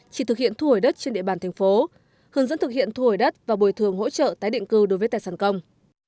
chỉ thực hiện thu hồi đất trên địa bàn thành phố hướng dẫn thực hiện thu hồi đất và bồi thường hỗ trợ tái định cư đối với tài sản công